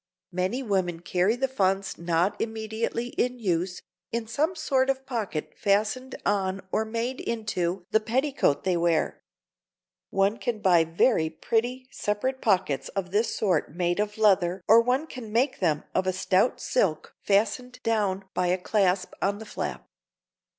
Many women carry the funds not immediately in use, in some sort of pocket fastened on or made into the petticoat they wear. One can buy very pretty separate pockets of this sort made of leather or one can make them of a stout silk fastened down by a clasp on the flap.